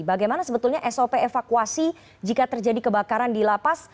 bagaimana sebetulnya sop evakuasi jika terjadi kebakaran di lapas